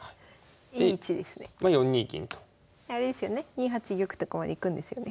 ２八玉とかまで行くんですよね？